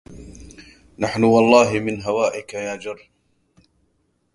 نحن والله من هوائك يا جر